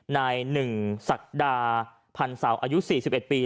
นายหนึ่งศักดาพันธ์เสาอายุ๔๑ปี